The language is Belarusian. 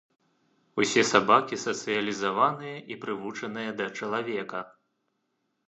Усе сабакі сацыялізаваныя і прывучаныя да чалавека.